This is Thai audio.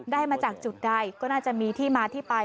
ได้มาจากจุดใดก็น่าจะมีที่มาที่ไป